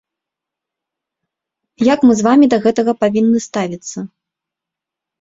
Як мы з вамі да гэтага павінны ставіцца?